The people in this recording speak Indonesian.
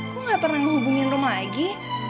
kok gak pernah ngehubungin rum lagi